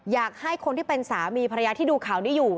อยากให้คนที่เป็นสามีภรรยาที่ดูข่าวนี้อยู่